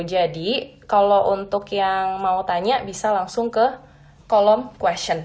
jadi kalau untuk yang mau tanya bisa langsung ke kolom question